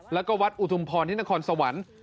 แล้วก็วัดอุทุมพรที่นครสวรรค์